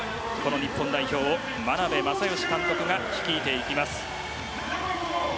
日本代表を眞鍋政義監督が率いていきます。